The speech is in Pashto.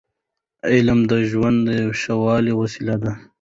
علم د ژوند د ښه والي وسیله ده.